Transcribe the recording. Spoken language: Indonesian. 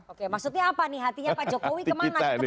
oke maksudnya apa nih hatinya pak jokowi kemana